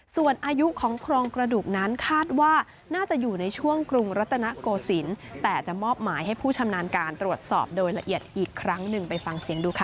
ส่วนอายุของโครงกระดูกนั้นคาดว่าน่าจะอยู่ในช่วงกรุงรัตนโกศิลป์แต่จะมอบหมายให้ผู้ชำนาญการตรวจสอบโดยละเอียดอีกครั้งหนึ่งไปฟังเสียงดูค่ะ